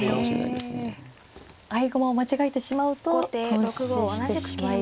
合駒を間違えてしまうと頓死してしまいそう。